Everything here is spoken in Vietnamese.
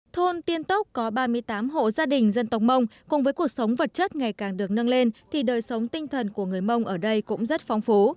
thôn tiên tốc có ba mươi tám hộ gia đình dân tộc mông cùng với cuộc sống vật chất ngày càng được nâng lên thì đời sống tinh thần của người mông ở đây cũng rất phong phú